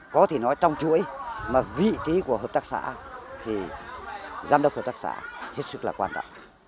có thể nói trong chuỗi mà vị trí của hợp tác xã thì giám đốc hợp tác xã hết sức là quan trọng